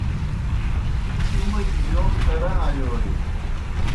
تُوْ مودیْ بِیون کرہ آیوئے؟